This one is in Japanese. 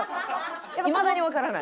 いまだにわからない？